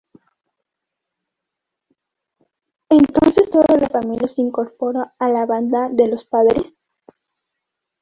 Entonces toda la familia se incorpora a la bandada de los padres.